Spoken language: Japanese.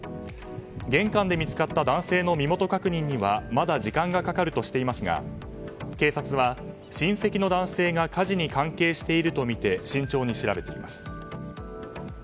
玄関で見つかった男性の身元確認にはまだ時間がかかるとしていますが警察は親戚の男性が火事に関係しているとみて慎重に調べています。